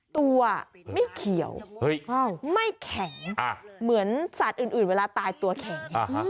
ตัวไม่เขียวไม่แข็งเหมือนสัตว์อื่นเวลาตายตัวแข็ง